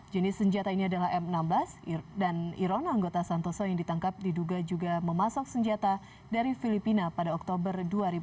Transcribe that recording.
jenis senjata ini adalah m enam belas dan iron anggota santoso yang ditangkap diduga juga memasok senjata dari filipina pada oktober dua ribu dua puluh